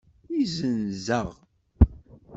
Izzenz-aɣ.